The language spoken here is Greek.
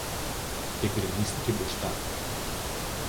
και γκρεμίστηκε μπροστά του.